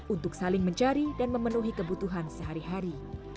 untuk saling mencari dan memenuhi kebutuhan sehari hari